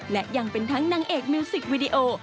และยังเป็นทั้งนางเอกมิวสิกวิดีโอ